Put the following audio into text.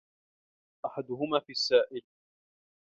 أَحَدُهُمَا فِي السَّائِلِ